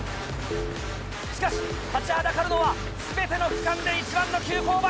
しかし立ちはだかるのは全ての区間で一番の急勾配。